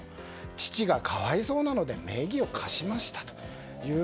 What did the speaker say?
父が可哀想なので名義を貸しましたという。